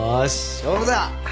勝負だ